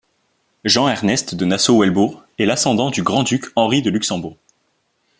Jean-Ernest de Nassau-Weilbourg est l'ascendant du grand-duc Henri de Luxembourg.